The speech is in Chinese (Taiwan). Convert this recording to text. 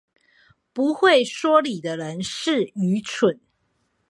不會說理的人是愚蠢